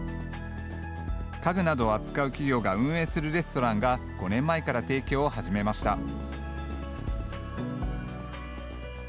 家具などを扱う企業が運営するレストランが５年前から提供を始めました。